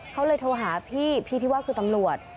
เขาเลยโทรหาพี่พี่ที่ว่าคือตำรวจ